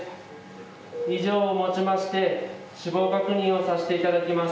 以上をもちまして死亡確認をさして頂きます。